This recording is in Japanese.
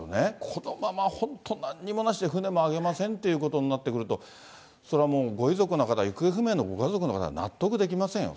このままほんと、何もなしで、船も揚げませんっていうことになってくると、それはもう、ご遺族の方、行方不明のご家族の方、納得できませんよ。